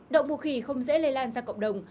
đậu mùa khỉ không dễ lây lan ra cộng đồng